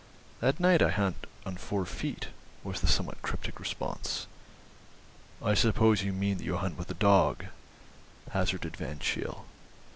"At night I hunt on four feet," was the somewhat cryptic response. "I suppose you mean that you hunt with a dog?" hazarded Van Cheele.